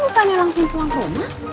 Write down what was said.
bukannya langsung pulang rumah